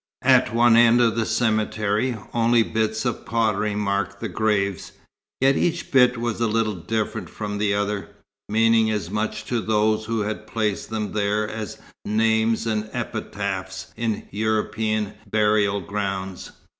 At one end of the cemetery, only bits of pottery marked the graves; yet each bit was a little different from the other, meaning as much to those who had placed them there as names and epitaphs in European burial grounds.